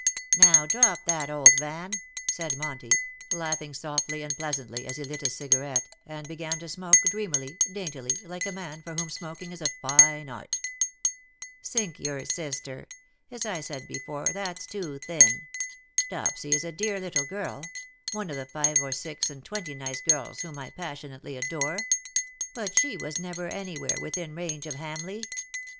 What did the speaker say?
'^ Now drop that^ old Van/' said Monty, laughing softly and pleasantly, as lie lit his cigarette, and began to smoke, dreamily, daintily, like a man for whom smoking is a fine art. " Sink your sister. As I said before, that's too thin. Dopsy is a dear little girl — one of the five or six and twenty nice girls whom I passionately adore ; but she was never anywhere within range of Hamleigh.